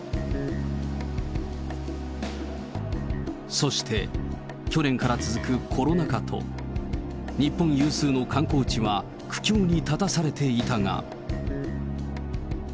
そして、去年から続くコロナ禍と、日本有数の観光地は、苦境に立たされていたが。